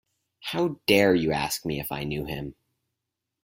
How dare you ask me if I knew him?